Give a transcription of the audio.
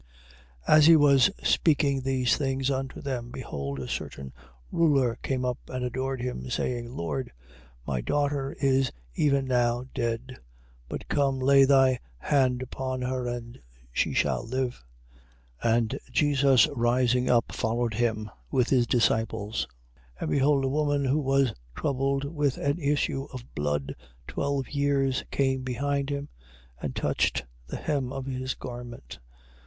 9:18. As he was speaking these things unto them, behold a certain ruler came up, and adored him, saying: Lord, my daughter is even now dead; but come, lay thy hand upon her, and she shall live. 9:19. And Jesus rising up followed him, with his disciples. 9:20. And behold a woman who was troubled with an issue of blood twelve years, came behind him, and touched the hem of his garment.